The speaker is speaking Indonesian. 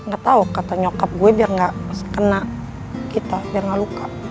gak tau kata nyokap gue biar gak kena kita biar nggak luka